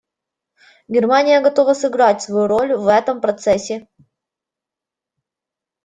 Германия готова сыграть свою роль в этом процессе.